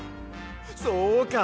そうか！